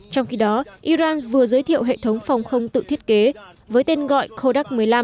trong khi đó iran vừa giới thiệu hệ thống phòng không tự thiết kế với tên gọi khodad một mươi năm